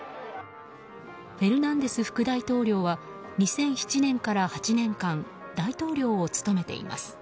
フェルナンデス副大統領は２００７年から８年間大統領を務めています。